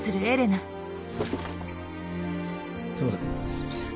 すいません。